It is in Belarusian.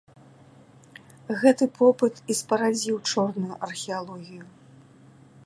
Гэты попыт і спарадзіў чорную археалогію.